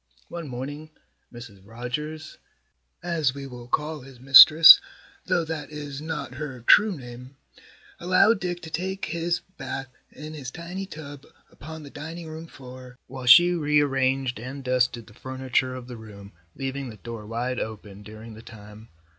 One morning, Mrs. Rogers (as we will call his mistress, though that is not her true name), allowed Dick to take his bath in his tiny tub upon the dining room floor, while she rearranged and dusted the furniture of the room, leaving the door wide open during the time.